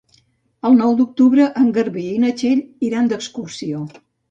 El nou d'octubre en Garbí i na Txell iran d'excursió.